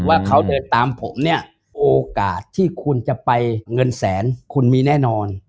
ว่าเขาเดินตามผมเนี่ยโอกาสที่คุณจะไปเงินแสนคุณมีแน่นอน